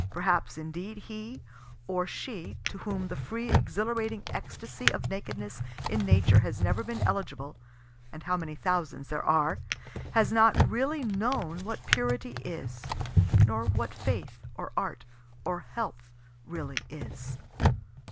Perhaps indeed he or she to whom the free exhilarating extasy of nakedness in Nature has never been eligible (and how many thousands there are!) has not really known what purity is nor what faith or art or health really is.